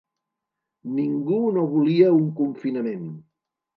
Ningú no volia un confinament.